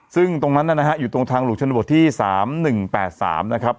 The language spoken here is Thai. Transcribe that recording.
ซึ่งตรงนั้นนะฮะอยู่ตรงทางหลวงชนบทที่๓๑๘๓นะครับ